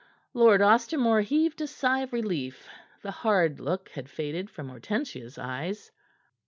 Lord Ostermore heaved a sigh of relief; the hard look had faded from Hortensia's eyes.